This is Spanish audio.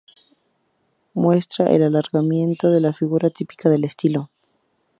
Muestra el alargamiento de la figura típica del estilo.